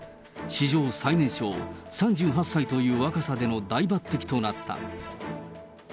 史上最年少、３８歳という若さでの大抜てきとなった。